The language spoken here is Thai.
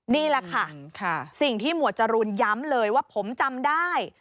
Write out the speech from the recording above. นี่แหละค่ะสิ่งที่หมวดจรูนย้ำเลยว่าผมจำได้